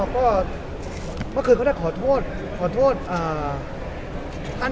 ตอนนี้เขาเรียกว่าอะไรมีอะไรคิดเป็น